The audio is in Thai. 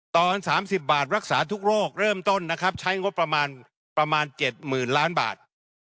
ตอน๓๐บาทรักษาทุกโรคเริ่มต้นนะครับใช้งบประมาณประมาณ๗๐๐๐ล้านบาท